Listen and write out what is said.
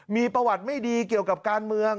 มีประวัติไม่ดีเกี่ยวกับการเมือง